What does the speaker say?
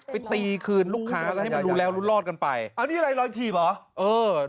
ไปตีคืนลูกค้าแล้วให้มันรู้แล้วรู้รอดกันไปเอานี่อะไรรอยถีบเหรอเออ